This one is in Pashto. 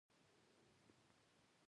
د پلسار ډېر تېز ګرځي.